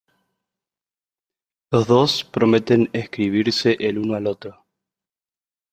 Los dos prometen escribirse el uno al otro.